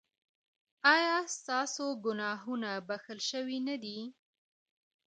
ایا ستاسو ګناهونه بښل شوي نه دي؟